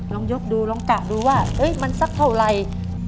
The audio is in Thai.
ลองยกดูลองกะดูว่ามันสักเท่าไร